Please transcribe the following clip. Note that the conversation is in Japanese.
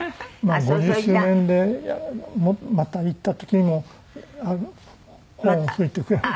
５０周年でまた行った時もあのホルン吹いてくれた。